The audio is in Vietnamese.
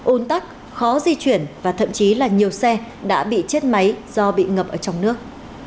ôn tắc khó di chuyển và thậm chí là nhiều xe đã bị chết máy do bị ngập ở trong nước